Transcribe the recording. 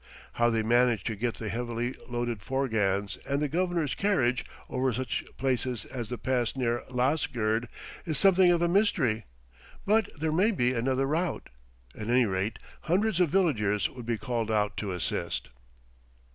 How they manage to get the heavily loaded forgans and the Governor's carriage over such places as the pass near Lasgird is something of a mystery but there may be another route at any rate, hundreds of villagers would be called out to assist.